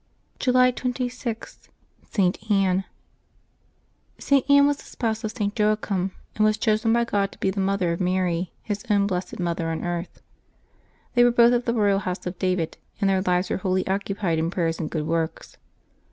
July 26. ~ST. ANNE. @T. Anne was the spouse of St. Joachim, and was chosen by God to be the mother of Mary, His own blessed Mother on earth. They were both of the royal house of David, and their lives were wholly occupied in prayer and good works.